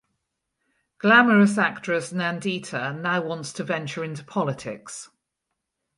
Glamorous actress Nandita now wants to venture into politics.